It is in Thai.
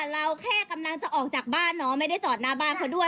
เราแค่กำลังจะออกจากบ้านน้องไม่ได้จอดหน้าบ้านเขาด้วย